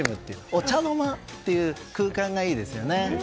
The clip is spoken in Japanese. お茶の間っていう空間がいいですよね。